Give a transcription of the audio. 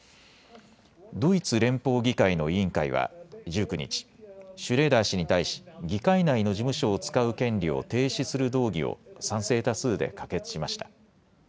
ドイツ連邦議会の委員会は１９日、シュレーダー氏に対し議会内の事務所を使う権利を停止する動議を賛成多数で可決しました。